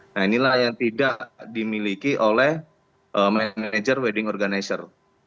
nah inilah yang tidak dimiliki oleh manajer wedding organizer